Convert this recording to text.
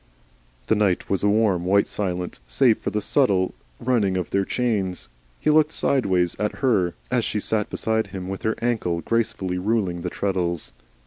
The night was a warm white silence save for the subtile running of their chains. He looked sideways at her as she sat beside him with her ankles gracefully ruling the treadles.